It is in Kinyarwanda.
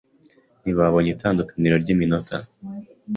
Ntibabonye itandukaniro ryiminota.